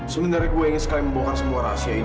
sebenarnya gue ingin sekali membongkar semua rahasia ini